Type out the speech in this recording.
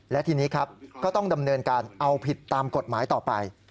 และทีนี้ครับก็ต้องดำเนินการเอาผิดตามกฎหมายต่อไป